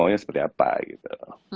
maunya seperti apa gitu